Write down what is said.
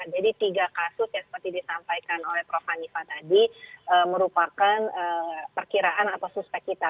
jadi tiga kasus yang seperti disampaikan oleh prof hanifa tadi merupakan perkiraan atau suspek kita